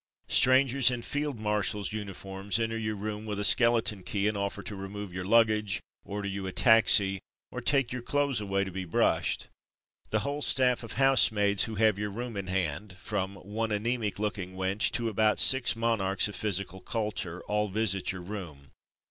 Strangers, in Field MarshaFs uniforms, enter your room with a skeleton key, and offer to remove your luggage, order you a taxi, or take your clothes away to be brushed. The whole staff of housemaids who have your room in hand — from one anaemic looking wench to about six monarchs of physical culture — all visit your room.